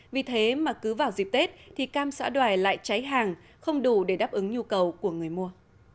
vì thế mà cứ vào dịp tết thì cam xã đoài lại cháy hàng không đủ để đáp ứng nhu cầu của người mua